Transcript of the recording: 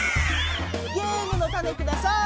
ゲームのたねください！